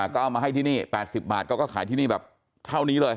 อ่าก็เอามาให้ที่นี่แปดสิบบาทก็ก็ขายที่นี่แบบเท่านี้เลย